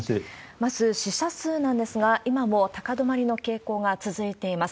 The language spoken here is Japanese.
まず、死者数なんですが、今も高止まりの傾向が続いています。